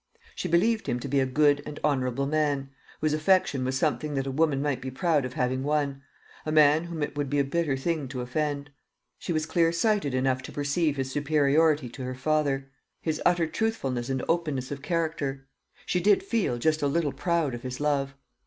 She believed him to be a good and honourable man, whose affection was something that a woman might be proud of having won a man whom it would be a bitter thing to offend. She was clear sighted enough to perceive his superiority to her father his utter truthfulness and openness of character. She did feel just a little proud of his love.